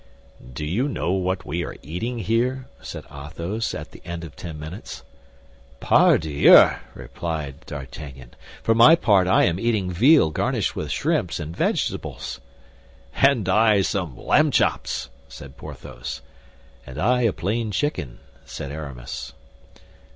"Do you know what we are eating here?" said Athos, at the end of ten minutes. "Pardieu!" replied D'Artagnan, "for my part, I am eating veal garnished with shrimps and vegetables." "And I some lamb chops," said Porthos. "And I a plain chicken," said Aramis.